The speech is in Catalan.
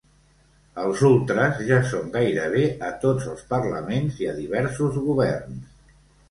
Els ultres ja són gairebé a tots els parlaments i a diversos governs.